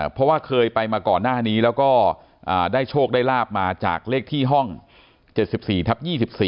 เพราะว่าเคยไปมาก่อนหน้านี้แล้วก็ได้โชคได้ลาบมาจากเลขที่ห้อง๗๔ทับ๒๔